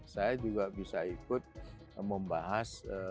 saya juga bisa ikut membahas